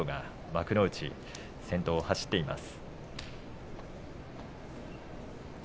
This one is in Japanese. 幕内の先頭を走っています。